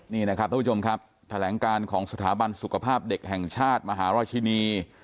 นี่นะครับท่านผู้ชมครับแถลงการของสถาบันสุขภาพเด็กแห่งชาติมหาราชินี